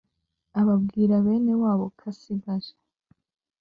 ababwira benewabo ko asigaje